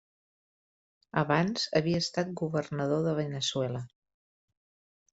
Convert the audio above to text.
Abans, havia estat Governador de Veneçuela.